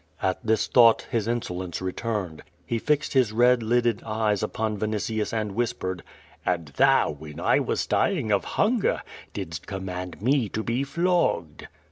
At this thought his insolence returned. He fixed his red lidded eyes upon Yinitius, and whispered: "And thou, when I was dying of hunger, didst command me to be flogged."